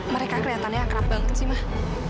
mereka kelihatannya akrab banget sih mah